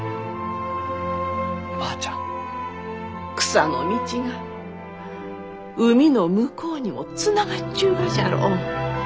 草の道が海の向こうにもつながっちゅうがじゃろう？